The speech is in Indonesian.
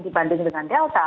dibandingkan dengan delta